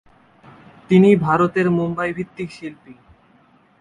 তিনি ভারতের মুম্বাই ভিত্তিক শিল্পী।